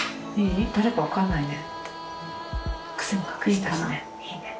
誰か分かんないね。